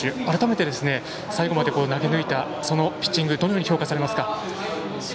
改めて、最後まで投げ抜いたピッチングをどのように評価されますか？